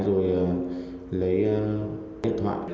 rồi lấy điện thoại